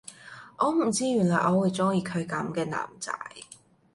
我唔知原來我會鍾意佢噉嘅男仔